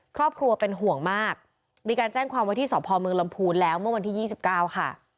ครอบครัวเป็นห่วงมากมีการแจ้งความว่าที่สพเมืองลำพูนแล้วเมื่อวันที่๒๙ค่ะ